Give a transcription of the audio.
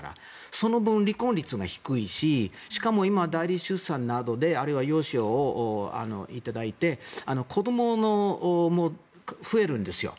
その分、離婚率も低いししかも今、代理出産などあるいは養子をいただいて子供も増えるんですよ。